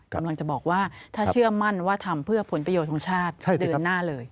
กำลังจะบอกว่าถ้าเชื่อมั่นว่าทำเพื่อผลประโยชน์ของชาติเดินหน้าเลย